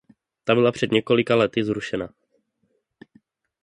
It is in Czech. Ta byla před několika lety zrušena.